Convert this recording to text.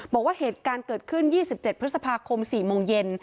บอกว่าเหตุการณ์เกิดขึ้น๒๗พฤษภาคม๔โมงเย็น